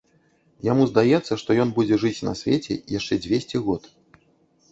Яму здаецца, што ён будзе жыць на свеце яшчэ дзвесце год.